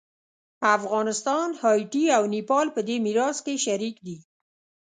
افغانستان، هایټي او نیپال په دې میراث کې شریک دي.